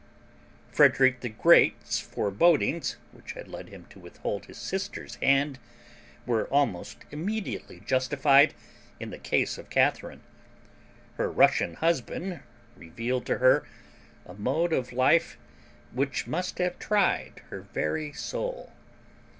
Frederick the Great's forebodings, which had led him to withhold his sister's hand, were almost immediately justified in the case of Catharine. Her Russian husband revealed to her a mode of life which must have tried her very soul.